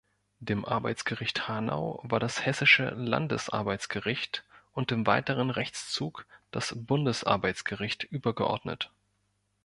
Dem Arbeitsgericht Hanau war das Hessische Landesarbeitsgericht und im weiteren Rechtszug das Bundesarbeitsgericht übergeordnet.